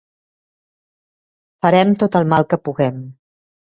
Farem tot el mal que puguem.